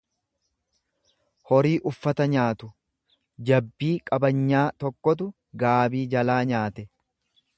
horii uffata nyaatu; Jabbii qabanyaa tokkotu gaabii jalaa nyaate.